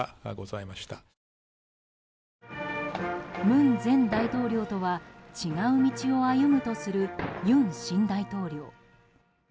文前大統領とは違う道を歩むとする尹新大統領。